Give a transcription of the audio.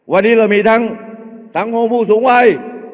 วันนี้เรามีทั้งสังคมผู้สูงวัย